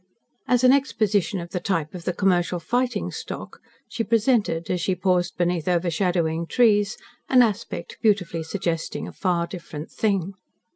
As an exposition of the type of the commercial fighting stock she presented, as she paused beneath overshadowing trees, an aspect beautifully suggesting a far different thing.